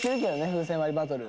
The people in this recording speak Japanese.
風船割りバトル。